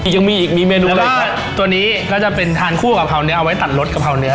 ยังมีอีกมีเมนูอะไรอีกตัวนี้ก็จะเป็นทานคู่กะเพราเนื้อเอาไว้ตัดรสกะเพราเนื้อ